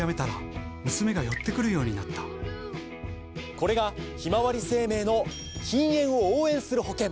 これがひまわり生命の禁煙を応援する保険！